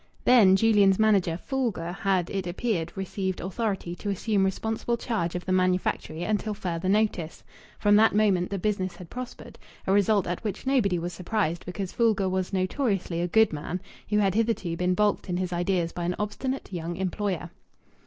Then Julian's manager, Foulger, had (it appeared) received authority to assume responsible charge of the manufactory until further notice. From that moment the business had prospered: a result at which nobody was surprised, because Foulger was notoriously a "good man" who had hitherto been baulked in his ideas by an obstinate young employer.